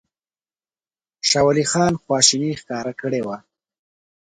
شاه ولي خان خواشیني ښکاره کړې وه.